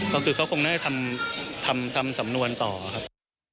ตอนนี้เขาคงน่าจะทำสำนวนต่อครับ